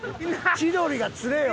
千鳥が釣れよ。